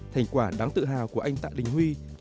thành quả đáng tự hào của anh tạ đình huy